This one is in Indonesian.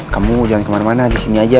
kamu jangan kemana mana disini aja